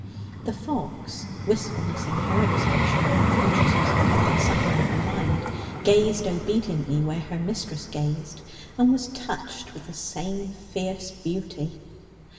The fox, wistfulness in her expression and the consciousness of coming supper in her mind, gazed obediently where her mistress gazed, and was touched with the same fierce beauty.